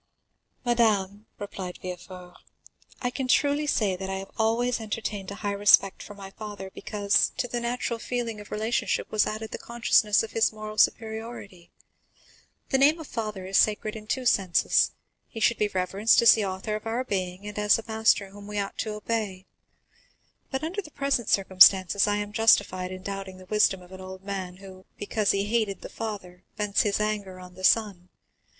30185m "Madame," replied Villefort "I can truly say that I have always entertained a high respect for my father, because, to the natural feeling of relationship was added the consciousness of his moral superiority. The name of father is sacred in two senses; he should be reverenced as the author of our being and as a master whom we ought to obey. But, under the present circumstances, I am justified in doubting the wisdom of an old man who, because he hated the father, vents his anger on the son.